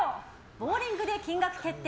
ボウリングで金額決定！